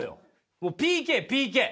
もうＰＫ、ＰＫ。